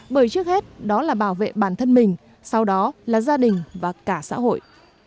bởi trước hết đó là bảo vệ bản thân mình sau đó là gia đình và cả xã hội